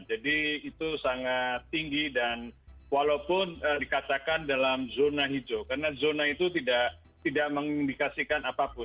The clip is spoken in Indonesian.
jadi itu sangat tinggi dan walaupun dikatakan dalam zona hijau karena zona itu tidak mengindikasikan apapun